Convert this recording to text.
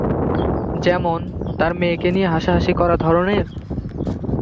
যেমন, তার মেয়েকে নিয়ে হাসাহাসি করা ধরনের?